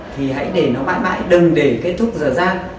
thì hãy để nó mãi mãi đừng để kết thúc dở dang